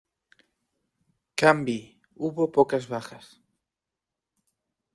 Canby, hubo pocas bajas.